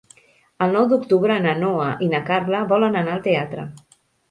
El nou d'octubre na Noa i na Carla volen anar al teatre.